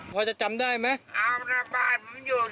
พายจะจำได้ไหม